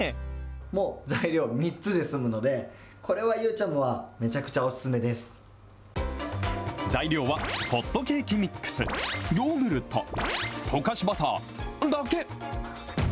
もう材料３つで済むので、これはゆーちゃむは、めちゃくちゃ材料はホットケーキミックス、ヨーグルト、溶かしバター、だけ。